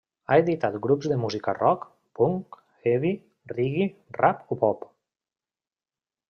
Ha editat grups de música rock, punk, heavy, reggae, rap o pop.